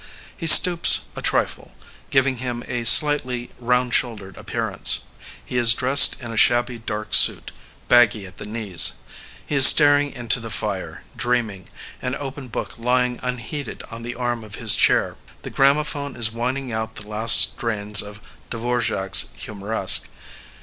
He stoops a trifle, giving him a slightly round shouldered appearance. He is dressed in a shabby dark suit, baggy at the knees. He is staring into the fire, dreaming, an open book lying unheeded on the arm of his chair. The gramo phone is whining out the last strains of Dvorak s Humoresque.